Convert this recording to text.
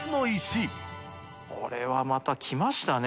これはまたきましたね。